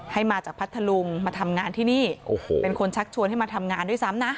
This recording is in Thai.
ให้มาจากพัทธลุงมาทำงานที่นี่โอ้โหเป็นคนชักชวนให้มาทำงานด้วยซ้ำนะ